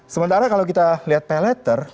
sementara kalau kita lihat pay letter